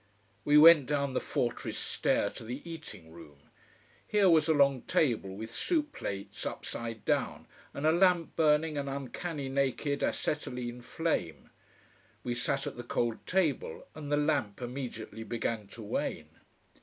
We went down the fortress stair to the eating room. Here was a long table with soup plates upside down and a lamp burning an uncanny naked acetylene flame. We sat at the cold table, and the lamp immediately began to wane.